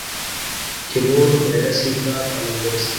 چي مور ميره سي ، پلار پلندر سي.